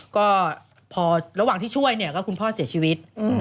ก็พอระหว่างที่ช่วยเนี่ยก็คุณพ่อเสียชีวิต